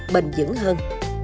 bình dững hơn